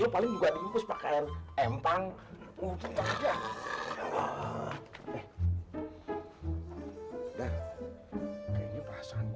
eh paling juga dihimpus pake air empang